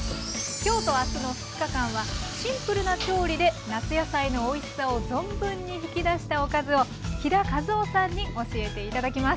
今日と明日の２日間はシンプルな調理で夏野菜のおいしさを存分に引き出したおかずを飛田和緒さんに教えて頂きます。